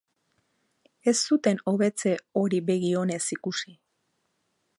Ez zuten hobetze hori begi onez ikusi.